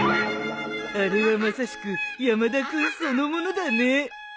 あれはまさしく山田君そのものだね。